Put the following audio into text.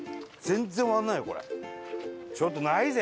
ちょっとないぜ？